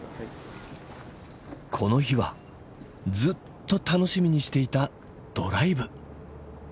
この日はずっと楽しみにしていたドライブ。